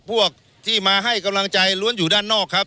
พวกที่มาให้กำลังใจล้วนอยู่ด้านนอกครับ